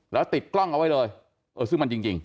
แล้วติดกล้องเอาไว้เลยเออซึ่งมันจริง